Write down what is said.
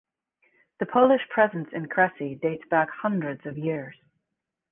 The Polish presence in Kresy dates back hundreds of years.